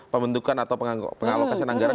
pembentukan atau pengalokasi anggaran